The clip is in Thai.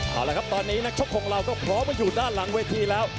เอาละครับตอนนี้นักชกของเราก็พร้อมมาอยู่ด้านหลังเวทีแล้ว